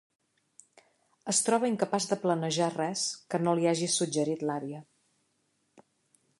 Es troba incapaç de planejar res que no li hagi suggerit l'àvia.